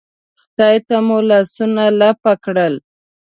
خدای ته مو لاسونه لپه کړل.